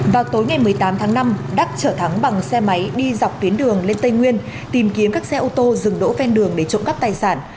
vào tối ngày một mươi tám tháng năm đắc trở thắng bằng xe máy đi dọc tuyến đường lên tây nguyên tìm kiếm các xe ô tô dừng đỗ ven đường để trộm cắp tài sản